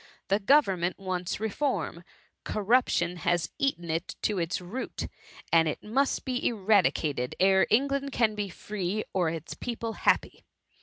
The government wants reform ; corruption has eaten into its root, and it must be eradicated ere England can be free, or its people happy.